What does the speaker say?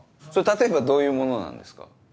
例えばどういうものなんですか？